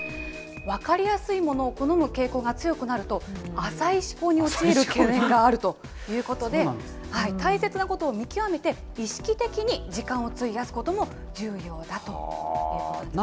分かりやすいものを好む傾向が強くなると、浅い思考に陥る懸念があるということで、大切なことを見極めて、意識的に時間を費やすことも重要だということです。